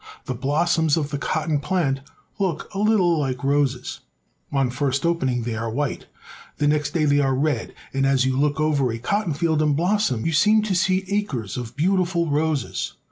The blossoms of the cotton plant look a little like roses. On first opening, they are white; the next day they are red, and as you look over a cotton field in blossom you seem to see acres of beautiful roses.